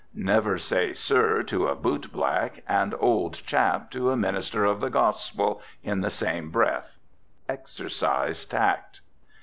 Never say sir to a bootblack and old chap to a minister of the gospel in the same breath. Exercise tact.